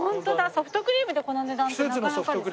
ソフトクリームでこの値段ってなかなかですね。